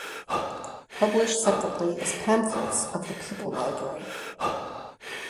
Published separately as pamphlets of the "People library".